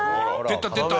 出た出た。